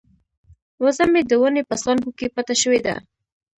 وزه مې د ونې په څانګو کې پټه شوې ده.